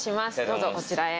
どうぞこちらへ。